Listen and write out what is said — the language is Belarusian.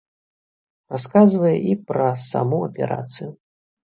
Расказвае і пра саму аперацыю.